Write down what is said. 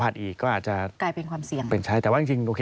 สวัสดีค่ะที่จอมฝันครับ